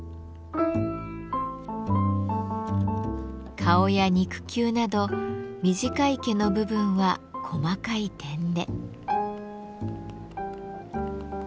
顔や肉球など短い毛の部分は細かい点で。